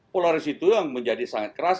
polarisasi itu yang menjadi sangat keras